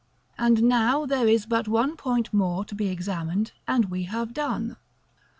And now there is but one point more to be examined, and we have done.